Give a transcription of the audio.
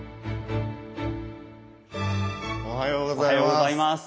おはようございます。